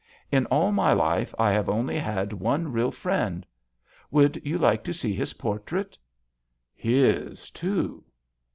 In all my life I have only had one real friend. Would you like to see his por trait ?" His too